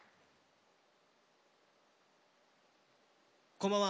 こんばんは。